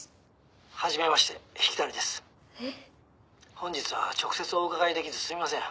「本日は直接お伺いできずすいません」